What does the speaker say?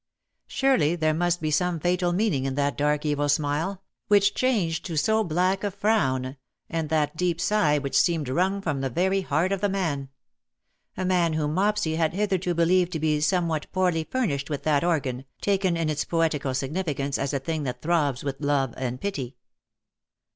Surely there must be some fatal meaning in that dark evil smile, which changed to so black a frown, and that deep sigh which seemed wrung from the very heart of the man : a man whom Mopsy had hitherto believed to be somewhat poorly furnished with that organ, taken in its poetical significance as a thing that throbs with love and pity.